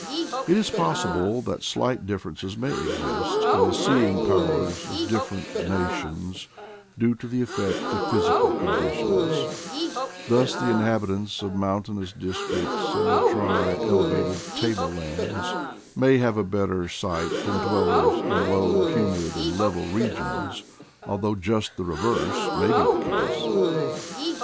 It is possible that slight differences may exist in the seeing powers of different nations, due to the effect of physical conditions: thus, the in habitants of mountainous districts and of dry ele vated tablelands may have a better sight than dwellers in low, humid, and level regions, although just the reverse may be the case.